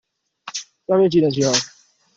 要約幾點集合？